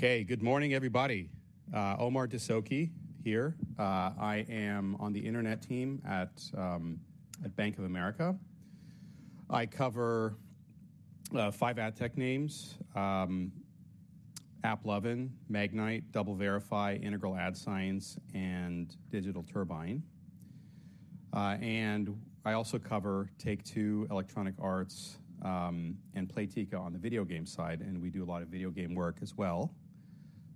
Okay, good morning, everybody. Omar Dessouky here. I am on the internet team at Bank of America. I cover five ad tech names, AppLovin, Magnite, DoubleVerify, Integral Ad Science, and Digital Turbine. And I also cover Take-Two, Electronic Arts, and Playtika on the video game side, and we do a lot of video game work as well.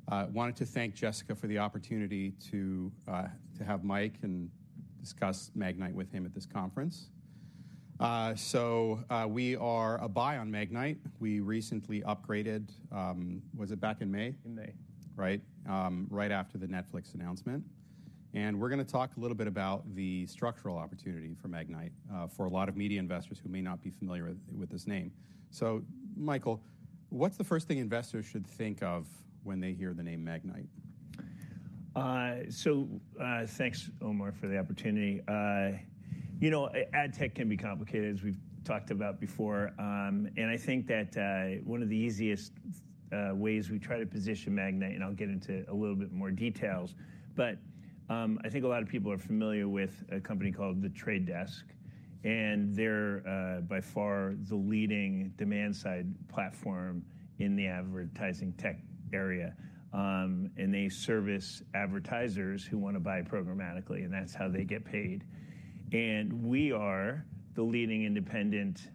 I wanted to thank Jessica for the opportunity to have Mike and discuss Magnite with him at this conference. So, we are a buy on Magnite. We recently upgraded, was it back in May? In May. Right. Right after the Netflix announcement, we're going to talk a little bit about the structural opportunity for Magnite for a lot of media investors who may not be familiar with this name. So Michael, what's the first thing investors should think of when they hear the name Magnite? So, thanks, Omar, for the opportunity. You know, ad tech can be complicated, as we've talked about before, and I think that one of the easiest ways we try to position Magnite, and I'll get into a little bit more details, but I think a lot of people are familiar with a company called The Trade Desk, and they're by far the leading demand-side platform in the advertising tech area. And they service advertisers who want to buy programmatically, and that's how they get paid. And we are the leading independent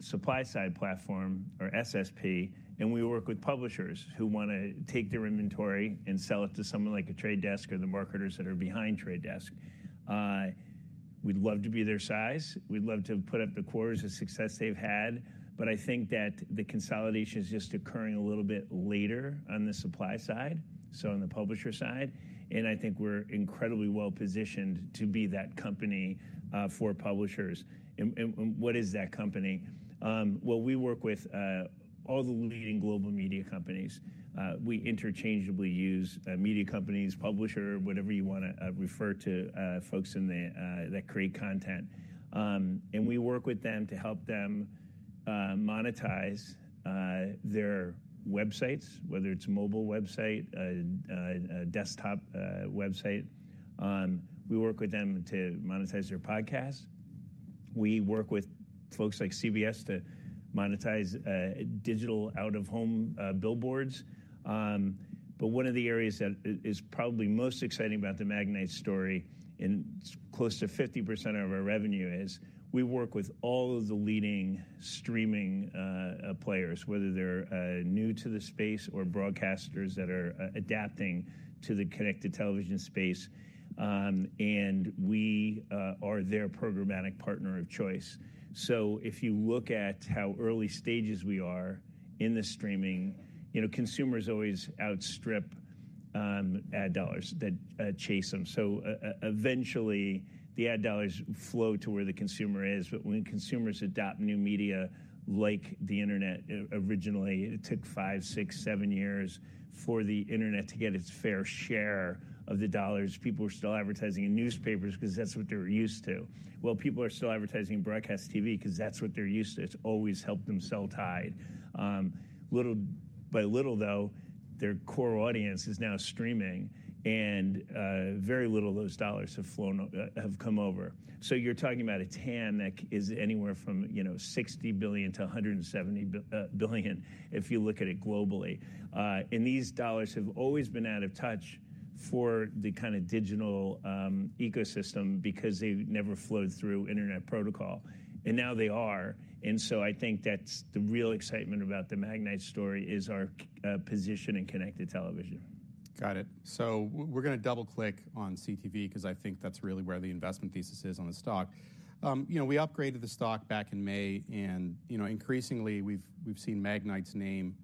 supply-side platform, or SSP, and we work with publishers who want to take their inventory and sell it to someone like a Trade Desk or the marketers that are behind Trade Desk. We'd love to be their size. We'd love to put up the quarters of success they've had, but I think that the consolidation is just occurring a little bit later on the supply side, so on the publisher side, and I think we're incredibly well-positioned to be that company for publishers. What is that company? We work with all the leading global media companies. We interchangeably use media companies, publisher, whatever you want to refer to folks in the that create content, and we work with them to help them monetize their websites, whether it's a mobile website, a desktop website. We work with them to monetize their podcast. We work with folks like CBS to monetize digital out-of-home billboards. But one of the areas that is probably most exciting about the Magnite story, and close to 50% of our revenue is, we work with all of the leading streaming players, whether they're new to the space or broadcasters that are adapting to the connected television space, and we are their programmatic partner of choice. So if you look at how early stages we are in the streaming, you know, consumers always outstrip ad dollars that chase them. So eventually, the ad dollars flow to where the consumer is. But when consumers adopt new media, like the internet, originally, it took five, six, seven years for the internet to get its fair share of the dollars. People were still advertising in newspapers because that's what they were used to. People are still advertising broadcast TV because that's what they're used to. It's always helped them sell Tide. Little by little, though, their core audience is now streaming, and very little of those dollars have flown, have come over. So you're talking about a TAM that is anywhere from, you know, $60 billion-$170 billion, if you look at it globally. And these dollars have always been out of touch for the kind of digital ecosystem because they've never flowed through internet protocol, and now they are. And so I think that's the real excitement about the Magnite story, is our position in connected television. Got it. So we're gonna double-click on CTV because I think that's really where the investment thesis is on the stock. You know, we upgraded the stock back in May, and, you know, increasingly, we've seen Magnite's name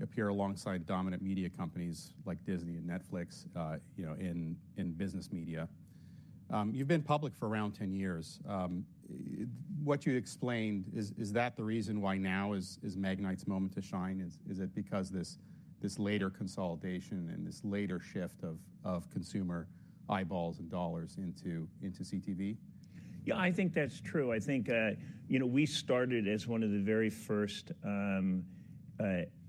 appear alongside dominant media companies like Disney and Netflix, you know, in business media. You've been public for around 10 years. What you explained, is that the reason why now is Magnite's moment to shine? Is it because this later consolidation and this later shift of consumer eyeballs and dollars into CTV? Yeah, I think that's true. I think, you know, we started as one of the very first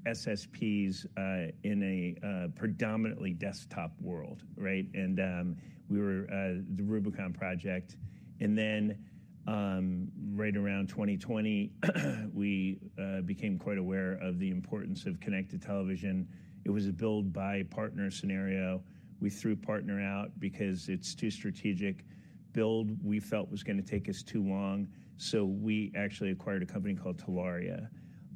SSPs in a predominantly desktop world, right? And we were the Rubicon Project, and then right around 2020 we became quite aware of the importance of connected television. It was a build-by-partner scenario. We threw partner out because it's too strategic. Build, we felt, was gonna take us too long, so we actually acquired a company called Telaria.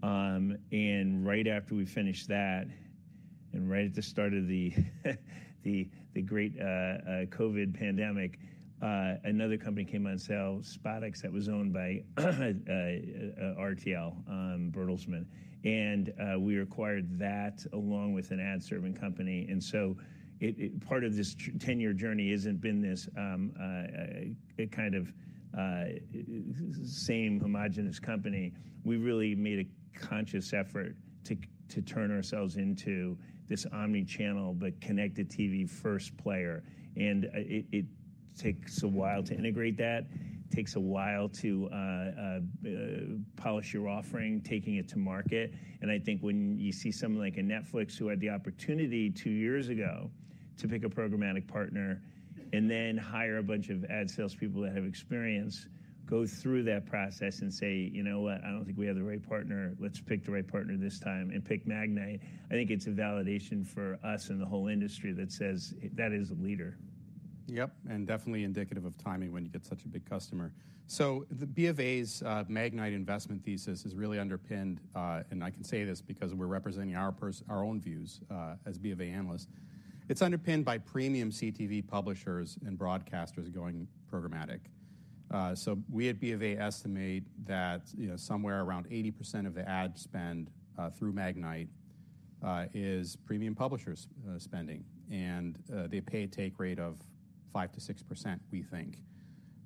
And right after we finished that, and right at the start of the great COVID pandemic, another company came on sale, SpotX, that was owned by RTL, Bertelsmann, and we acquired that along with an ad serving company. And so it, part of this ten-year journey isn't been this same homogeneous company. We really made a conscious effort to turn ourselves into this omni-channel, but connected TV first player, and it takes a while to integrate that. It takes a while to polish your offering, taking it to market. And I think when you see someone like a Netflix, who had the opportunity two years ago to pick a programmatic partner and then hire a bunch of ad salespeople that have experience, go through that process and say, "You know what? I don't think we have the right partner. Let's pick the right partner this time," and pick Magnite, I think it's a validation for us and the whole industry that says that is a leader. Yep, and definitely indicative of timing when you get such a big customer. So the BofA's Magnite investment thesis is really underpinned, and I can say this because we're representing our own views as BofA analysts. It's underpinned by premium CTV publishers and broadcasters going programmatic. So we at BofA estimate that, you know, somewhere around 80% of the ad spend through Magnite is premium publishers spending, and they pay a take rate of 5%-6%, we think.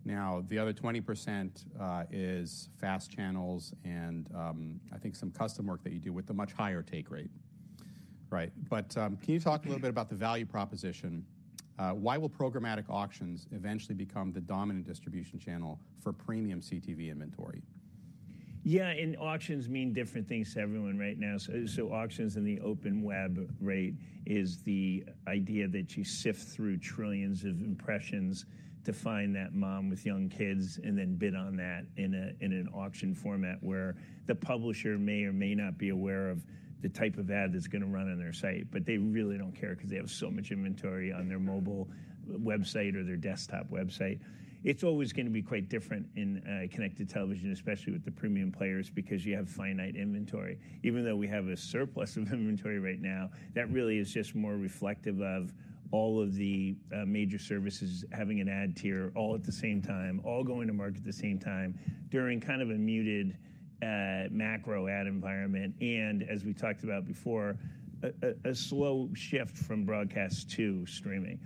Now, the other 20% is FAST channels and I think some custom work that you do with a much higher take rate. Right. But can you talk a little bit about the value proposition? Why will programmatic auctions eventually become the dominant distribution channel for premium CTV inventory? Yeah, and auctions mean different things to everyone right now. So, auctions in the open web rate is the idea that you sift through trillions of impressions to find that mom with young kids and then bid on that in an auction format, where the publisher may or may not be aware of the type of ad that's gonna run on their site. But they really don't care because they have so much inventory on their mobile website or their desktop website. It's always gonna be quite different in connected television, especially with the premium players, because you have finite inventory. Even though we have a surplus of inventory right now, that really is just more reflective of all of the major services having an ad tier all at the same time, all going to market at the same time, during kind of a muted macro ad environment and, as we talked about before, a slow shift from broadcast to streaming.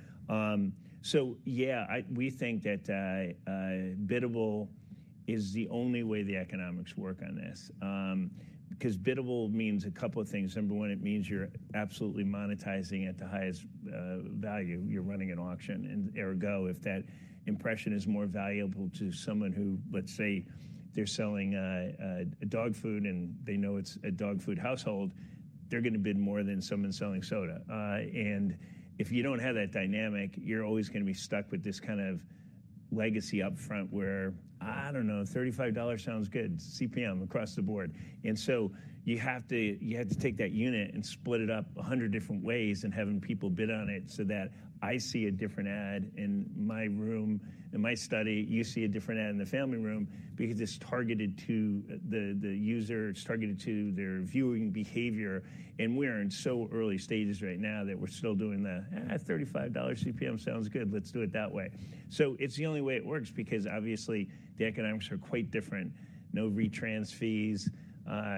So yeah, we think that biddable is the only way the economics work on this. Because biddable means a couple of things. Number one, it means you're absolutely monetizing at the highest value. You're running an auction, and ergo, if that impression is more valuable to someone who, let's say, they're selling dog food, and they know it's a dog food household, they're gonna bid more than someone selling soda. And if you don't have that dynamic, you're always gonna be stuck with this kind of legacy up front, where, I don't know, $35 sounds good, CPM across the board. And so you have to take that unit and split it up a hundred different ways and having people bid on it so that I see a different ad in my room, in my study. You see a different ad in the family room because it's targeted to the user. It's targeted to their viewing behavior, and we are in so early stages right now that we're still doing the, "$35 CPM sounds good. Let's do it that way." So it's the only way it works because obviously, the economics are quite different. No retrans fees.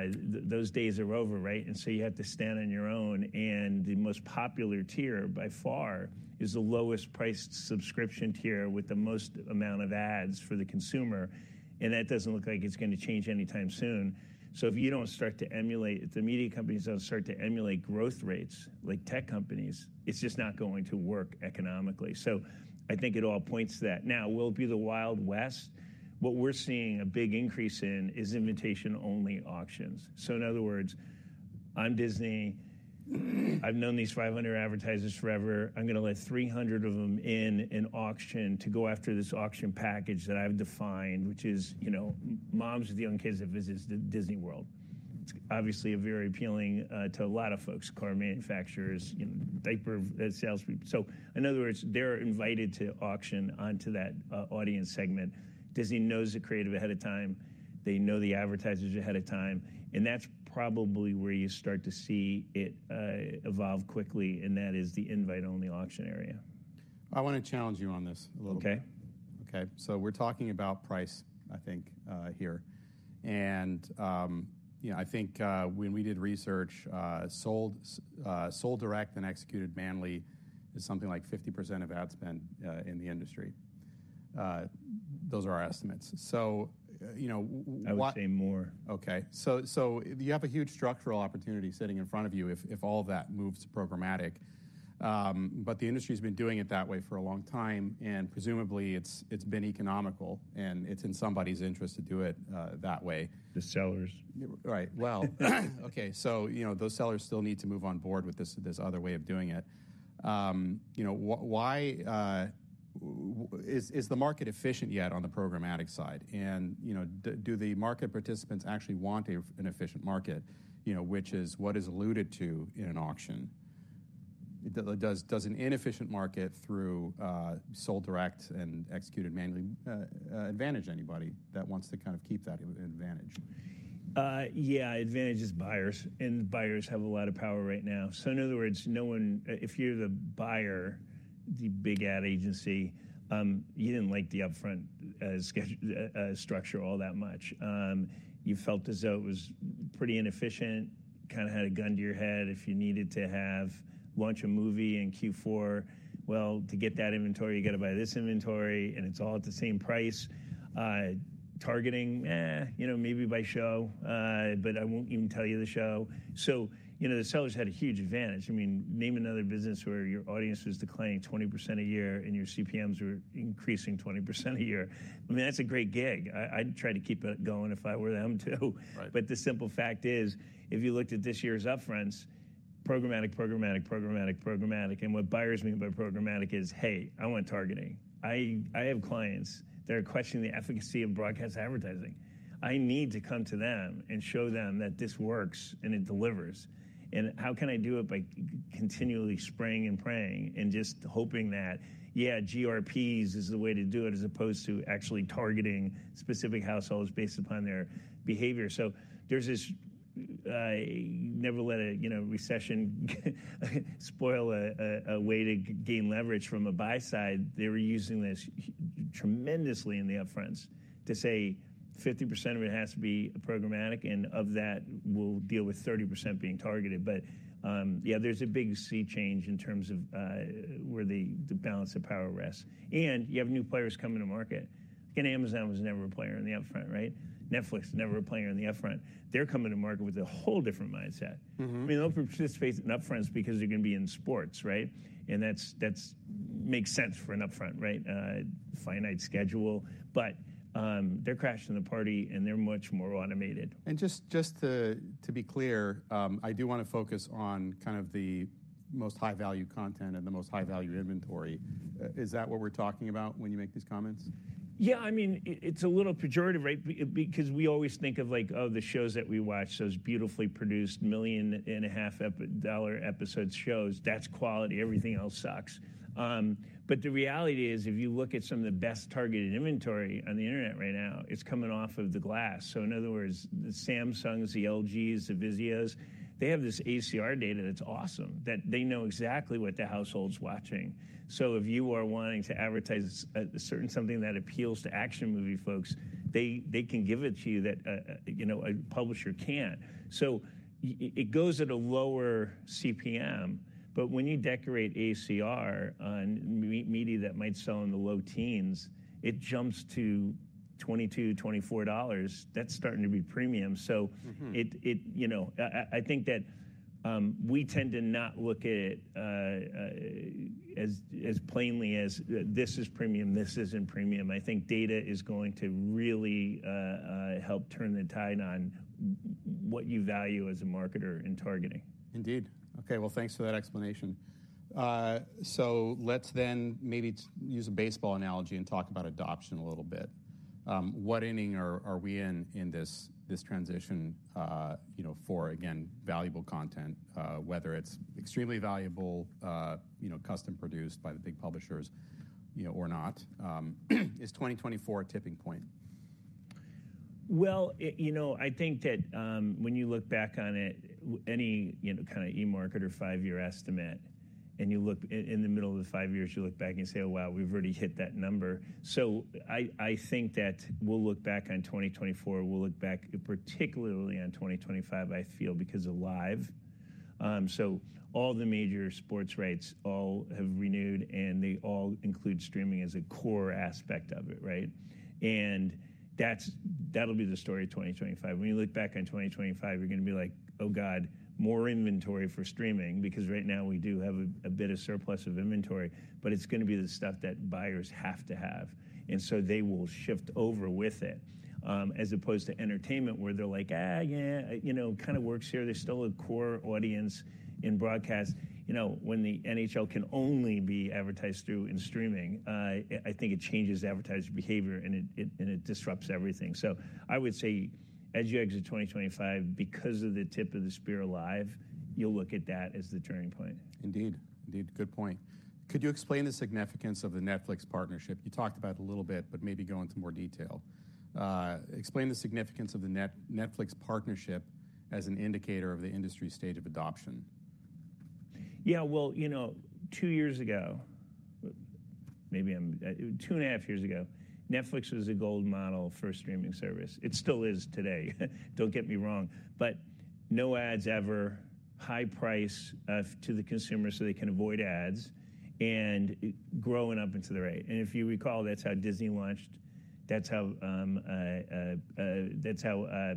Those days are over, right? And so you have to stand on your own, and the most popular tier, by far, is the lowest priced subscription tier with the most amount of ads for the consumer, and that doesn't look like it's gonna change anytime soon. So if the media companies don't start to emulate growth rates like tech companies, it's just not going to work economically. So I think it all points to that. Now, will it be the Wild West? What we're seeing a big increase in is invitation-only auctions. So in other words, I'm Disney. I've known these 500 advertisers forever. I'm gonna let 300 of them in an auction to go after this auction package that I've defined, which is, you know, moms with young kids that visits the Disney World. It's obviously a very appealing to a lot of folks, car manufacturers, and diaper salespeople. So in other words, they're invited to auction onto that audience segment. Disney knows the creative ahead of time. They know the advertisers ahead of time, and that's probably where you start to see it evolve quickly, and that is the invite-only auction area. I want to challenge you on this a little bit. Okay. Okay, so we're talking about price, I think, here. And, you know, I think, when we did research, sold direct and executed mainly is something like 50% of ad spend, in the industry. Those are our estimates. So, you know, what- I would say more. Okay. So you have a huge structural opportunity sitting in front of you if all of that moves to programmatic. But the industry's been doing it that way for a long time, and presumably, it's been economical, and it's in somebody's interest to do it that way. The sellers. Right. Okay, so, you know, those sellers still need to move on board with this other way of doing it. Why is the market efficient yet on the programmatic side? And, you know, do the market participants actually want an efficient market, you know, which is what is alluded to in an auction? Does an inefficient market through sold direct and executed manually advantage anybody that wants to kind of keep that advantage? Yeah, it advantages buyers, and buyers have a lot of power right now. So in other words, no one... if you're the buyer, the big ad agency, you didn't like the upfront schedule structure all that much. You felt as though it was pretty inefficient, kind of had a gun to your head. If you needed to launch a movie in Q4, well, to get that inventory, you got to buy this inventory, and it's all at the same price. Targeting, you know, maybe by show, but I won't even tell you the show. So, you know, the sellers had a huge advantage. I mean, name another business where your audience is declining 20% a year, and your CPMs are increasing 20% a year. I mean, that's a great gig. I'd try to keep it going if I were them, too. Right. But the simple fact is, if you looked at this year's upfronts – programmatic, programmatic, programmatic, programmatic. And what buyers mean by programmatic is, "Hey, I want targeting." I have clients that are questioning the efficacy of broadcast advertising. I need to come to them and show them that this works and it delivers, and how can I do it by continually spraying and praying and just hoping that, yeah, GRPs is the way to do it, as opposed to actually targeting specific households based upon their behavior? So there's this, never let a, you know, recession spoil a way to gain leverage from a buy side. They were using this tremendously in the upfronts to say, "50% of it has to be programmatic, and of that, we'll deal with 30% being targeted." But, yeah, there's a big sea change in terms of, where the balance of power rests. And you have new players coming to market. Again, Amazon was never a player in the upfront, right? Netflix never a player in the upfront. They're coming to market with a whole different mindset. Mm-hmm. I mean, let's face it, in upfronts because they're gonna be in sports, right? And that's makes sense for an upfront, right? Finite schedule, but, they're crashing the party, and they're much more automated. Just to be clear, I do wanna focus on kind of the most high-value content and the most high-value inventory. Is that what we're talking about when you make these comments? Yeah, I mean, it's a little pejorative, right? Because we always think of, like, oh, the shows that we watch, those beautifully produced $1.5 million episode shows, that's quality. Everything else sucks. But the reality is, if you look at some of the best-targeted inventory on the internet right now, it's coming off of the glass. So in other words, the Samsungs, the LGs, the Vizios, they have this ACR data that's awesome, that they know exactly what the household's watching. So if you are wanting to advertise a certain something that appeals to action movie folks, they can give it to you that, you know, a publisher can't. So it goes at a lower CPM, but when you decorate ACR on media that might sell in the low teens, it jumps to $22-$24. That's starting to be premium. Mm-hmm. You know, I think that we tend to not look at it as plainly as this is premium, this isn't premium. I think data is going to really help turn the tide on what you value as a marketer in targeting. Indeed. Okay, well, thanks for that explanation. So let's then maybe use a baseball analogy and talk about adoption a little bit. What inning are we in this transition, you know, for again valuable content, whether it's extremely valuable, you know, custom-produced by the big publishers, you know, or not? Is 2024 a tipping point? You know, I think that when you look back on it, when any kind of end-market or five-year estimate, and you look in the middle of the five years, you look back and you say, "Oh, wow, we've already hit that number." So I think that we'll look back on 2024. We'll look back particularly on 2025, I feel, because of live. So all the major sports rights all have renewed, and they all include streaming as a core aspect of it, right? And that'll be the story of 2025. When you look back on 2025, you're gonna be like: "Oh, God, more inventory for streaming," because right now we do have a bit of surplus of inventory, but it's gonna be the stuff that buyers have to have, and so they will shift over with it. As opposed to entertainment, where they're like, "Ah, yeah, you know, kind of works here." There's still a core audience in broadcast. You know, when the NHL can only be advertised through in streaming, I think it changes advertiser behavior, and it disrupts everything. So I would say, as you exit 2025, because of the tip of the spear of live, you'll look at that as the turning point. Indeed. Indeed, good point. Could you explain the significance of the Netflix partnership? You talked about it a little bit, but maybe go into more detail. Explain the significance of the Netflix partnership as an indicator of the industry's state of adoption. Yeah, well, you know, two and a half years ago, Netflix was a gold model for a streaming service. It still is today, don't get me wrong, but no ads ever, high price to the consumer so they can avoid ads, and growing up into the right. And if you recall, that's how Disney launched, that's how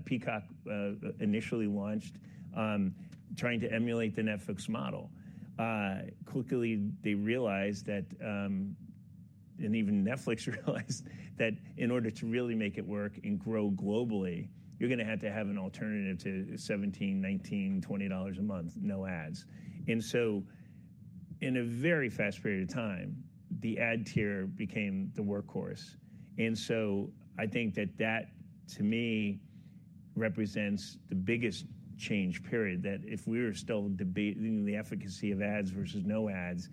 Peacock initially launched, trying to emulate the Netflix model. Quickly, they realized that. And even Netflix realized that in order to really make it work and grow globally, you're gonna have to have an alternative to $17, $19, $20 a month, no ads. And so, in a very fast period of time, the ad-tier became the workhorse, and so I think that that, to me, represents the biggest change period, that if we were still debating the efficacy of ads versus no ads,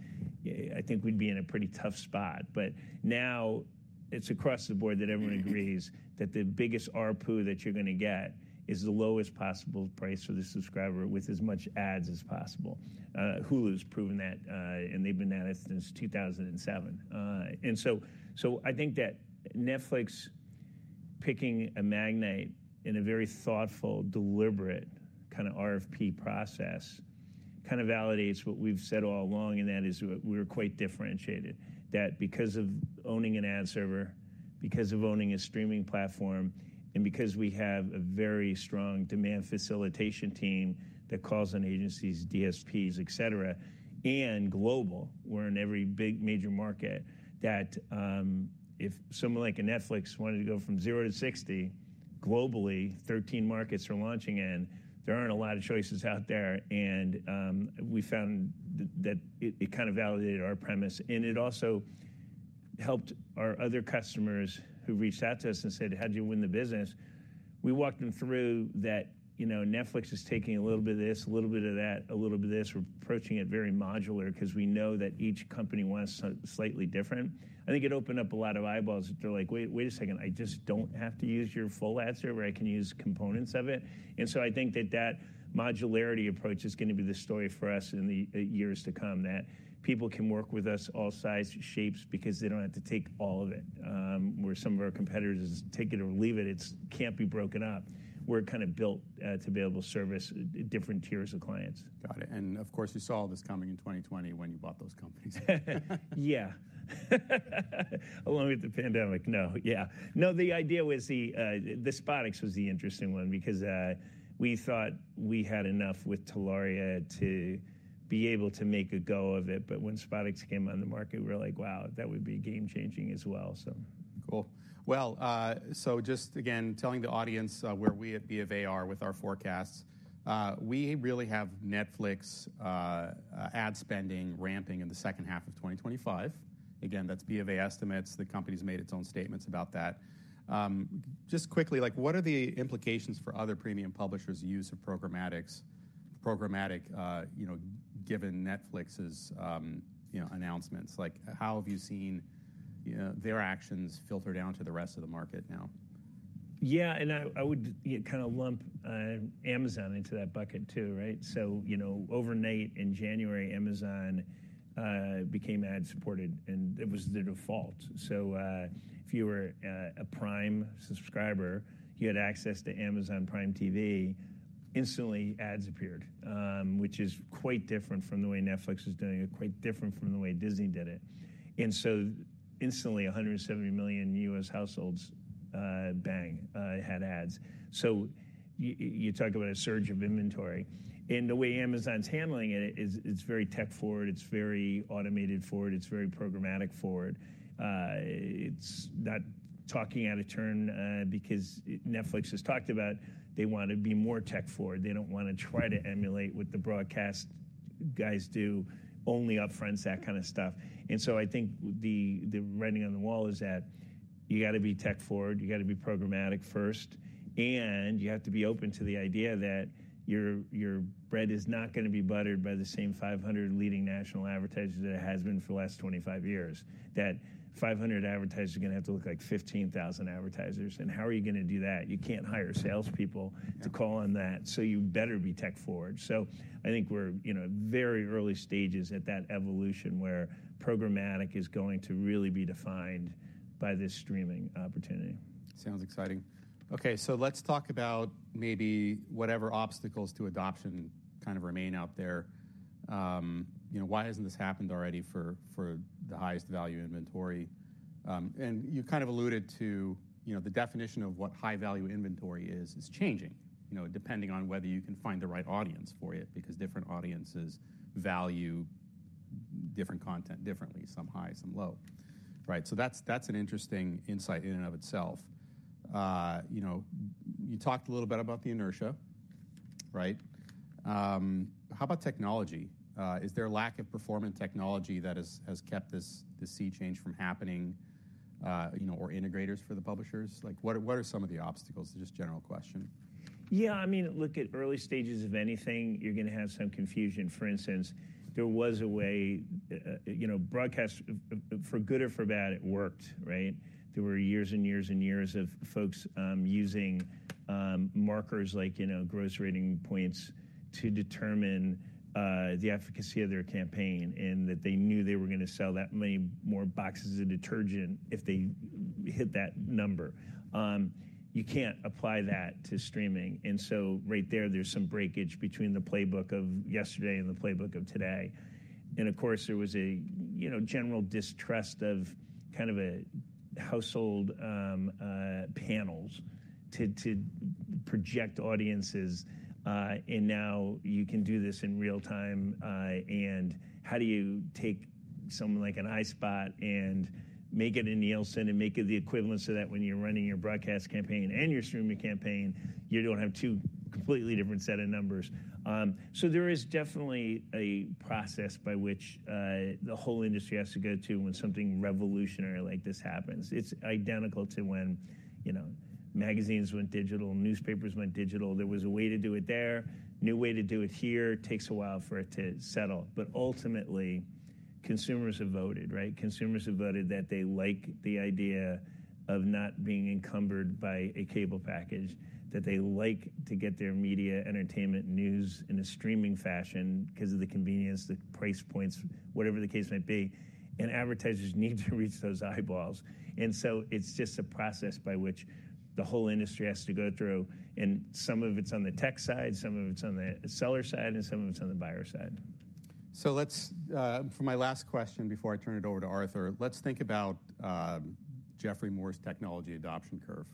I think we'd be in a pretty tough spot. But now it's across the board that everyone agrees that the biggest ARPU that you're gonna get is the lowest possible price for the subscriber with as much ads as possible. Hulu's proven that, and they've been at it since 2007. And so, so I think that Netflix picking Magnite in a very thoughtful, deliberate, kind of RFP process, kind of validates what we've said all along, and that is we're quite differentiated. That's because of owning an ad server, because of owning a streaming platform, and because we have a very strong demand facilitation team that calls on agencies, DSPs, et cetera, and global, we're in every big, major market, that if someone like a Netflix wanted to go from zero to 60, globally, 13 markets are launching in, there aren't a lot of choices out there. And we found that it kind of validated our premise, and it also helped our other customers who reached out to us and said, "How'd you win the business?" We walked them through that, you know, Netflix is taking a little bit of this, a little bit of that, a little bit of this. We're approaching it very modular because we know that each company wants it so slightly different. I think it opened up a lot of eyeballs that they're like, "Wait, wait a second, I just don't have to use your full answer, or I can use components of it?" And so I think that that modularity approach is gonna be the story for us in the years to come, that people can work with us all sizes, shapes, because they don't have to take all of it, where some of our competitors is take it or leave it. It's can't be broken up. We're kind of built to be able to service different tiers of clients. Got it, and of course, you saw this coming in 2020 when you bought those companies. Yeah. Along with the pandemic. No, yeah. No, the idea was the SpotX was the interesting one because we thought we had enough with Telaria to be able to make a go of it, but when SpotX came on the market, we were like, "Wow, that would be game-changing as well", so. Cool. Well, so just again, telling the audience, where we at BofA are with our forecasts, we really have Netflix ad spending ramping in the second half of 2025. Again, that's BofA estimates. The company's made its own statements about that. Just quickly, like, what are the implications for other premium publishers' use of programmatic, you know, given Netflix's, you know, announcements? Like, how have you seen, you know, their actions filter down to the rest of the market now? Yeah, and I would, yeah, kind of lump Amazon into that bucket too, right? So, you know, overnight in January, Amazon became ad-supported, and it was their default. So, if you were a Prime subscriber, you had access to Amazon Prime TV, instantly, ads appeared, which is quite different from the way Netflix is doing it, quite different from the way Disney did it. And so instantly, a 170 million U.S. households, bang, had ads. So you talk about a surge of inventory, and the way Amazon's handling it is, it's very tech-forward, it's very automated-forward, it's very programmatic-forward. It's not talking out of turn, because Netflix has talked about they want to be more tech-forward. They don't want to try to emulate what the broadcast guys do, only up-fronts, that kind of stuff. And so I think the writing on the wall is that you got to be tech-forward, you got to be programmatic first, and you have to be open to the idea that your bread is not gonna be buttered by the same 500 leading national advertisers that it has been for the last 25 years. That 500 advertisers are gonna have to look like 15,000 advertisers, and how are you gonna do that? You can't hire salespeople- Yeah.... to call on that, so you better be tech-forward so I think we're, you know, very early stages at that evolution, where programmatic is going to really be defined by this streaming opportunity. Sounds exciting. Okay, so let's talk about maybe whatever obstacles to adoption kind of remain out there. You know, why hasn't this happened already for the highest value inventory? And you kind of alluded to, you know, the definition of what high-value inventory is changing, you know, depending on whether you can find the right audience for it, because different audiences value different content differently, some high, some low. Right. So that's an interesting insight in and of itself. You know, you talked a little bit about the inertia, right? How about technology? Is there a lack of performant technology that has kept this sea change from happening, you know, or integrators for the publishers? Like, what are some of the obstacles? Just a general question. Yeah, I mean, look, at early stages of anything, you're gonna have some confusion. For instance, there was a way, you know, broadcast, for good or for bad, it worked, right? There were years and years and years of folks using markers like, you know, gross rating points to determine the efficacy of their campaign, and that they knew they were gonna sell that many more boxes of detergent if they hit that number. You can't apply that to streaming, and so right there, there's some breakage between the playbook of yesterday and the playbook of today. And of course, there was a, you know, general distrust of kind of a household panels to project audiences, and now you can do this in real time. And how do you take something like an iSpot and make it a Nielsen and make it the equivalent so that when you're running your broadcast campaign and your streaming campaign, you don't have two completely different set of numbers? So there is definitely a process by which the whole industry has to go to when something revolutionary like this happens. It's identical to when, you know, magazines went digital, newspapers went digital. There was a way to do it there, new way to do it here. Takes a while for it to settle, but ultimately, consumers have voted, right? Consumers have voted that they like the idea of not being encumbered by a cable package, that they like to get their media, entertainment, news in a streaming fashion because of the convenience, the price points, whatever the case may be, and advertisers need to reach those eyeballs, and so it's just a process by which the whole industry has to go through, and some of it's on the tech side, some of it's on the seller side, and some of it's on the buyer side. So let's for my last question, before I turn it over to Arthur, let's think about Geoffrey Moore's technology adoption curve,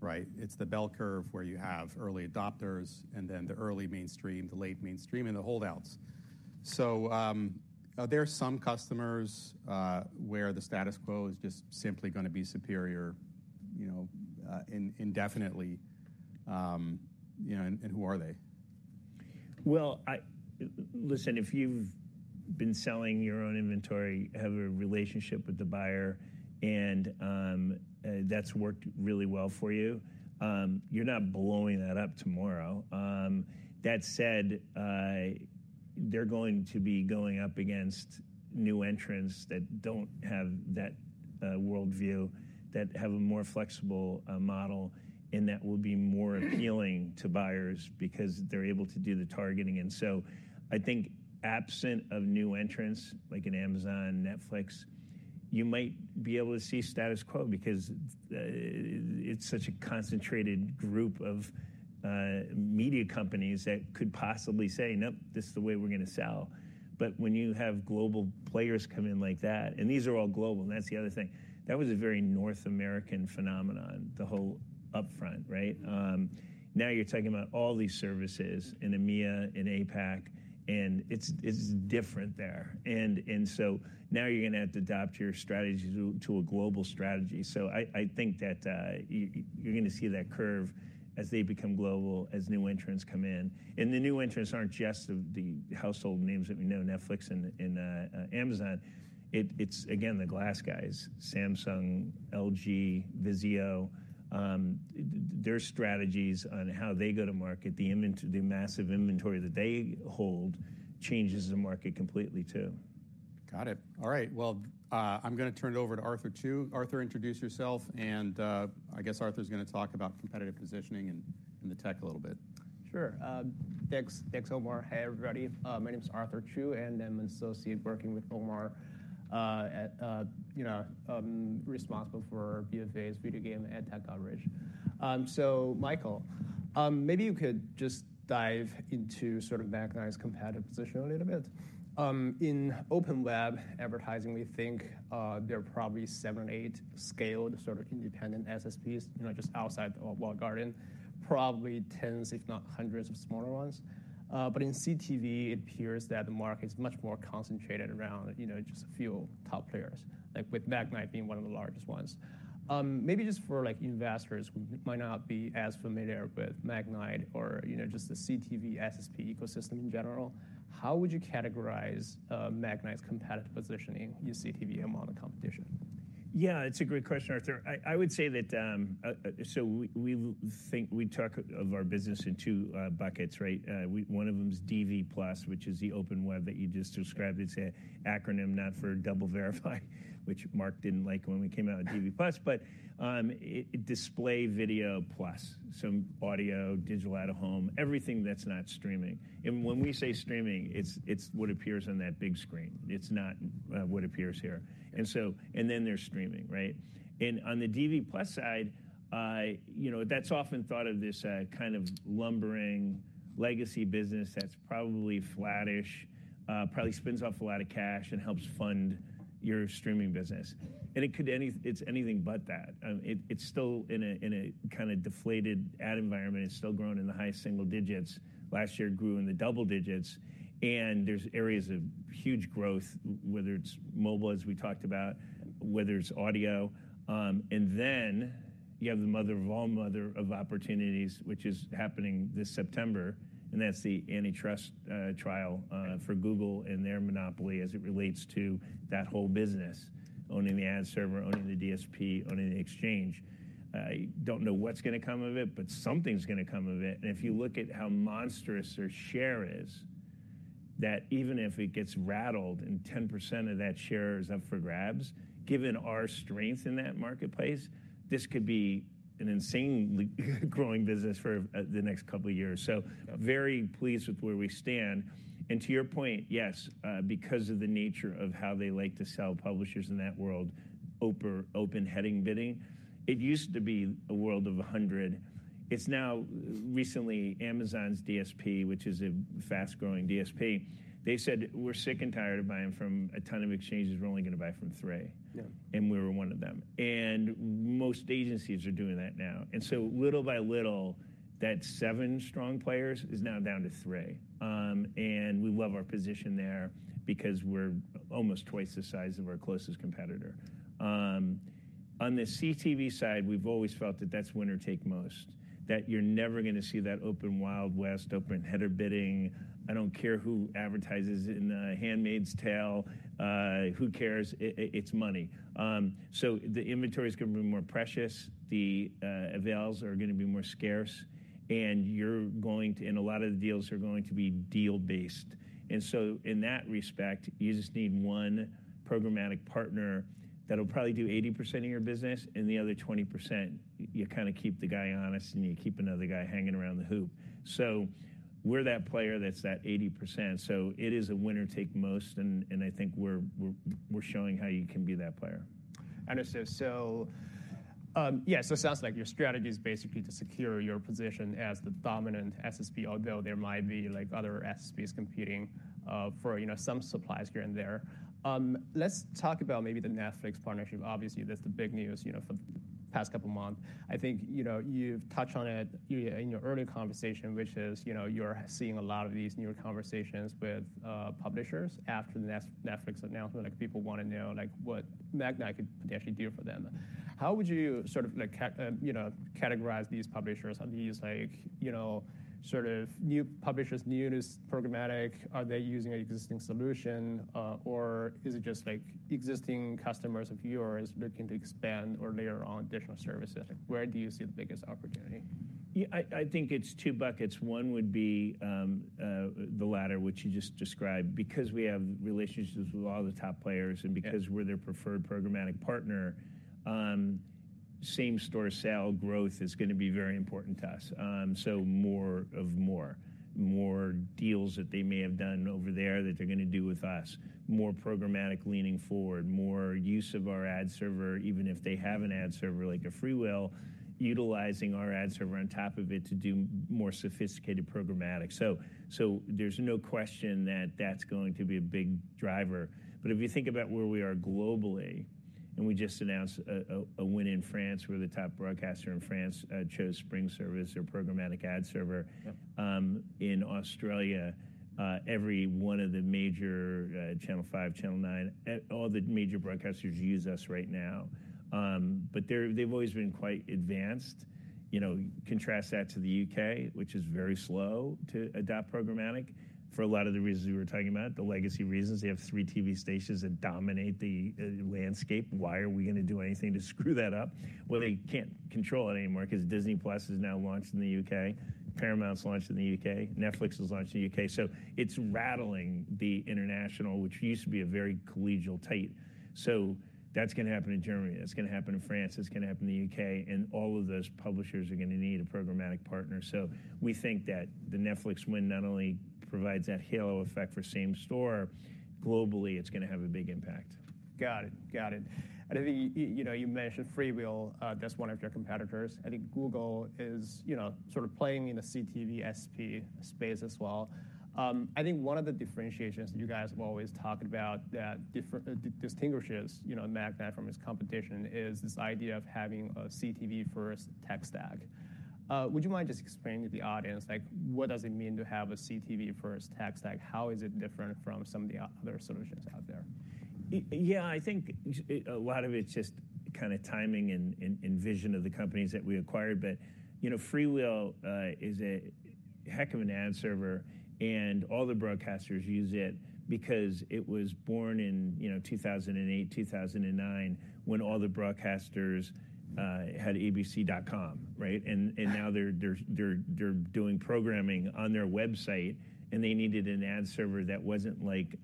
right? It's the bell curve, where you have early adopters and then the early mainstream, the late mainstream, and the holdouts. So, are there some customers where the status quo is just simply gonna be superior, you know, indefinitely, you know, and who are they? Well, listen, if you've been selling your own inventory, have a relationship with the buyer, and that's worked really well for you, you're not blowing that up tomorrow. That said, they're going to be going up against new entrants that don't have that worldview, that have a more flexible model, and that will be more appealing to buyers because they're able to do the targeting, and so I think absent of new entrants, like an Amazon, Netflix, you might be able to see status quo because it's such a concentrated group of media companies that could possibly say, "Nope, this is the way we're going to sell," but when you have global players come in like that, and these are all global, and that's the other thing. That was a very North American phenomenon, the whole upfront, right? Now you're talking about all these services in EMEA, in APAC, and it's different there, and so now you're going to have to adapt your strategy to a global strategy. So I think that you're going to see that curve as they become global, as new entrants come in. And the new entrants aren't just the household names that we know, Netflix and Amazon. It's, again, the glass guys: Samsung, LG, Vizio. Their strategies on how they go to market, the massive inventory that they hold, changes the market completely, too. Got it. All right, well, I'm going to turn it over to Arthur Chu. Arthur, introduce yourself, and I guess Arthur is going to talk about competitive positioning and the tech a little bit. Sure. Thanks, Omar. Hey, everybody, my name is Arthur Chu, and I'm an associate working with Omar at you know, responsible for BofA's video game and tech coverage. So Michael, maybe you could just dive into sort of Magnite's competitive position a little bit. In open web advertising, we think there are probably seven or eight scaled, sort of independent SSPs, you know, just outside the walled garden, probably tens, if not hundreds of smaller ones. But in CTV, it appears that the market is much more concentrated around, you know, just a few top players, like with Magnite being one of the largest ones. Maybe just for, like, investors who might not be as familiar with Magnite or, you know, just the CTV SSP ecosystem in general, how would you categorize Magnite's competitive positioning in CTV among the competition? Yeah, it's a great question, Arthur. I would say that, so we think-- we talk of our business in two buckets, right? One of them is DV+, which is the open web that you just described. It's an acronym not for DoubleVerify, which Mark didn't like when we came out with DV+, but it, Display Video Plus, so audio, digital out-of-home, everything that's not streaming. And when we say streaming, it's what appears on that big screen. It's not what appears here. And so. And then there's streaming, right? And on the DV+ side, you know, that's often thought of this kind of lumbering legacy business that's probably flattish, probably spins off a lot of cash and helps fund your streaming business. And it's anything but that. It's still in a kind of deflated ad environment. It's still growing in the high-single-digits. Last year, it grew in the double-digits, and there's areas of huge growth, whether it's mobile, as we talked about, whether it's audio, and then you have the mother of all opportunities, which is happening this September, and that's the antitrust trial for Google and their monopoly as it relates to that whole business, owning the ad server, owning the DSP, owning the exchange. I don't know what's going to come of it, but something's going to come of it. And if you look at how monstrous their share is, that even if it gets rattled and 10% of that share is up for grabs, given our strength in that marketplace, this could be an insanely growing business for the next couple of years. So very pleased with where we stand. And to your point, yes, because of the nature of how they like to sell publishers in that world, open header bidding, it used to be a world of 100. It's now, recently, Amazon's DSP, which is a fast-growing DSP, they said: "We're sick and tired of buying from a ton of exchanges. We're only going to buy from three." Yeah. And we were one of them. And most agencies are doing that now. And so little by little, that seven strong players is now down to three. And we love our position there because we're almost twice the size of our closest competitor. On the CTV side, we've always felt that that's winner take most, that you're never going to see that open Wild West, open header bidding. I don't care who advertises in The Handmaid's Tale. Who cares? It's money. So the inventory is going to be more precious, the avails are going to be more scarce, and you're going to, and a lot of the deals are going to be deal-based. In that respect, you just need one programmatic partner that'll probably do 80% of your business, and the other 20%, you kind of keep the guy honest, and you keep another guy hanging around the hoop. We're that player that's that 80%. It is a winner take most, and I think we're showing how you can be that player. Understood. So, yeah, so it sounds like your strategy is basically to secure your position as the dominant SSP, although there might be, like, other SSPs competing for, you know, some suppliers here and there. Let's talk about maybe the Netflix partnership. Obviously, that's the big news, you know, for the past couple of months. I think, you know, you've touched on it in your earlier conversation, which is, you know, you're seeing a lot of these newer conversations with publishers after the Netflix announcement. Like, people want to know, like, what Magnite could potentially do for them. How would you sort of, like, categorize these publishers? Are these, like, you know, sort of new publishers, new to programmatic? Are they using an existing solution, or is it just, like, existing customers of yours looking to expand or layer on additional services? Where do you see the biggest opportunity? Yeah, I think it's two buckets. One would be the latter, which you just described, because we have relationships with all the top players- Yeah.... and because we're their preferred programmatic partner. Same-store sale growth is going to be very important to us. So more. More deals that they may have done over there that they're gonna do with us. More programmatic leaning forward, more use of our ad server, even if they have an ad server, like a FreeWheel, utilizing our ad server on top of it to do more sophisticated programmatic. So there's no question that that's going to be a big driver. But if you think about where we are globally, and we just announced a win in France, where the top broadcaster in France chose SpringServe, their programmatic ad server. Yep. In Australia, every one of the major Channel 5, Channel 9, all the major broadcasters use us right now. They're- they've always been quite advanced. You know, contrast that to the U.K., which is very slow to adopt programmatic for a lot of the reasons we were talking about, the legacy reasons. They have three TV stations that dominate the landscape. Why are we gonna do anything to screw that up? They can't control it anymore because Disney+ has now launched in the U.K., Paramount's launched in the U.K., Netflix has launched in the U.K. It's rattling the international, which used to be a very collegial tight. That's gonna happen in Germany, that's gonna happen in France, that's gonna happen in the U.K., and all of those publishers are gonna need a programmatic partner. We think that the Netflix win not only provides that halo effect for same store, globally. It's gonna have a big impact. Got it. Got it. And I think, you know, you mentioned FreeWheel, that's one of your competitors. I think Google is, you know, sort of playing in the CTV SSP space as well. I think one of the differentiations that you guys have always talked about that distinguishes, you know, Magnite from its competition, is this idea of having a CTV-first tech stack. Would you mind just explaining to the audience, like, what does it mean to have a CTV-first tech stack? How is it different from some of the other solutions out there? Yeah, I think a lot of it's just kind of timing and vision of the companies that we acquired. But, you know, FreeWheel is a heck of an ad server, and all the broadcasters use it because it was born in, you know, two thousand and eight, two thousand and nine, when all the broadcasters had abc.com, right? Yeah. Now they're doing programming on their website, and they needed an ad server that wasn't like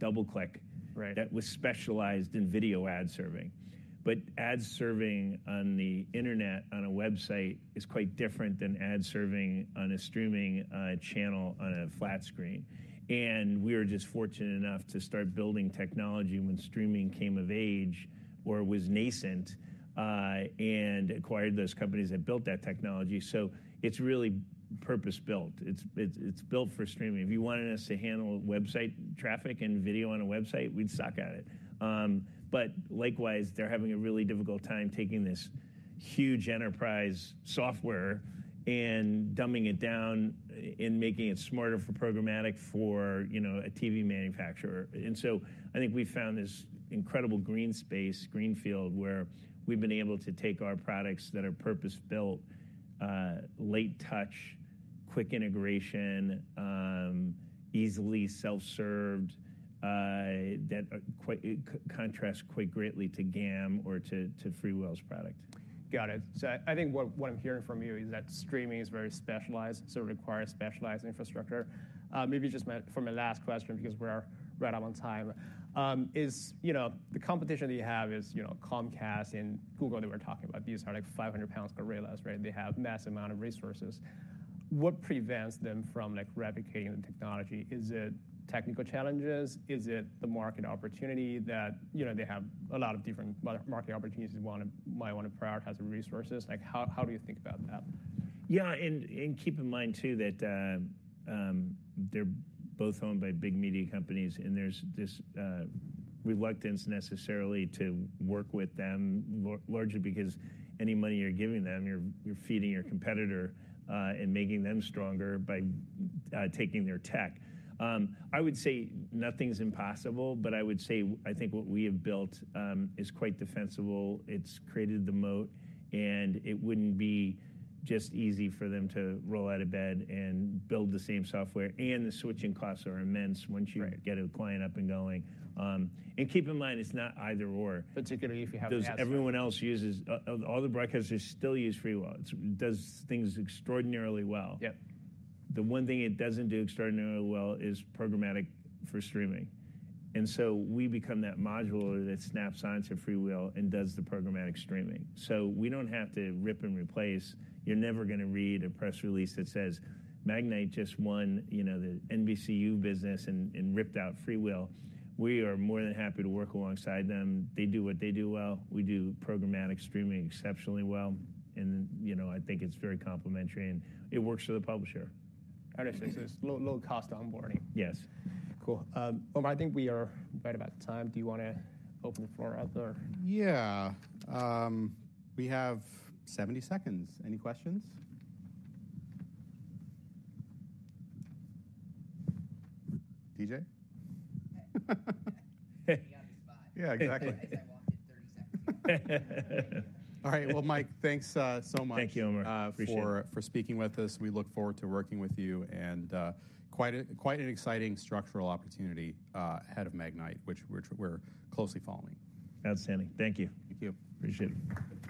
DoubleClick. Right.... that was specialized in video ad serving. But ad serving on the internet, on a website, is quite different than ad serving on a streaming channel on a flat screen. And we were just fortunate enough to start building technology when streaming came of age or was nascent, and acquired those companies that built that technology. So it's really purpose-built. It's built for streaming. If you wanted us to handle website traffic and video on a website, we'd suck at it. But likewise, they're having a really difficult time taking this huge enterprise software and dumbing it down and making it smarter for programmatic, you know, a TV manufacturer. And so I think we found this incredible green space, greenfield, where we've been able to take our products that are purpose-built, light touch, quick integration, easily self-serve, that quite contrast quite greatly to GAM or to FreeWheel's product. Got it. So I think what I'm hearing from you is that streaming is very specialized, so it requires specialized infrastructure. Maybe just for my last question, because we're right on time. You know, the competition that you have is, you know, Comcast and Google that we're talking about. These are like 500-pound gorillas, right? They have massive amount of resources. What prevents them from, like, replicating the technology? Is it technical challenges? Is it the market opportunity that, you know, they have a lot of different market opportunities, they might wanna prioritize the resources? Like, how do you think about that? Yeah, and keep in mind, too, that they're both owned by big media companies, and there's this reluctance necessarily to work with them, largely because any money you're giving them, you're feeding your competitor, and making them stronger by taking their tech. I would say nothing's impossible, but I would say I think what we have built is quite defensible. It's created the moat, and it wouldn't be just easy for them to roll out of bed and build the same software, and the switching costs are immense. Right.... once you get a client up and going, and keep in mind, it's not either/or. Particularly if you have- 'Cause everyone else uses, all the broadcasters still use FreeWheel. It does things extraordinarily well. Yep. The one thing it doesn't do extraordinarily well is programmatic for streaming. And so we become that module that snaps onto FreeWheel and does the programmatic streaming. So we don't have to rip and replace. You're never gonna read a press release that says, "Magnite just won, you know, the NBCU business and ripped out FreeWheel." We are more than happy to work alongside them. They do what they do well. We do programmatic streaming exceptionally well. And, you know, I think it's very complementary, and it works for the publisher. I understand. So it's low, low cost onboarding? Yes. Cool. Omar, I think we are right about time. Do you wanna open for other- Yeah. We have seventy seconds. Any questions? DJ? Hey, you got me on the spot. Yeah, exactly. I walked in thirty seconds. All right. Well, Mike, thanks, so much- Thank you, Omar. Appreciate it.... for speaking with us. We look forward to working with you, and quite an exciting structural opportunity ahead of Magnite, which we're closely following. Outstanding. Thank you. Thank you. Appreciate it.